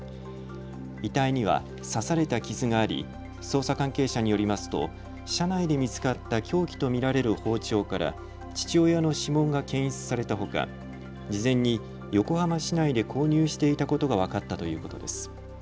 遺体には刺された傷があり捜査関係者によりますと車内で見つかった凶器と見られる包丁から父親の指紋が検出されたほか事前に横浜市内で購入していたことが分かったということです。